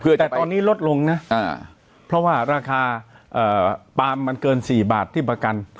แต่ตอนนี้ลดลงนะเพราะว่าราคาปาล์มมันเกิน๔บาทที่ประกัน